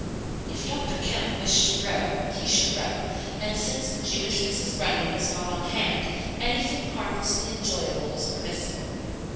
If Dr. Kemp wished to row, he should row; and since the Jewish Mrs. Grundy was not on hand, anything harmlessly enjoyable was permissible.